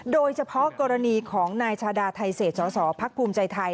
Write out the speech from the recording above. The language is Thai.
โดยเฉพาะกรณีของนายชาดาไทเศษสสพักภูมิใจไทย